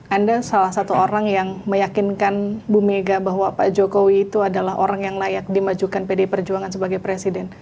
anda salah satu orang yang meyakinkan bu mega bahwa pak jokowi itu adalah orang yang layak dimajukan pdi perjuangan sebagai presiden